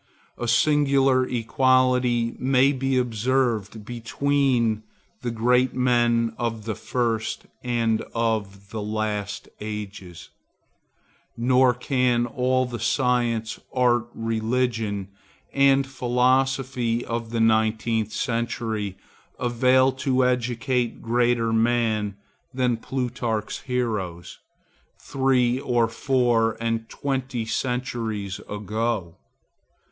A singular equality may be observed between the great men of the first and of the last ages; nor can all the science, art, religion, and philosophy of the nineteenth century avail to educate greater men than Plutarch's heroes, three or four and twenty centuries ago.